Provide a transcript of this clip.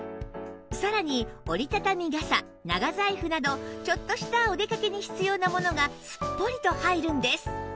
さらに折り畳み傘長財布などちょっとしたお出かけに必要なものがすっぽりと入るんです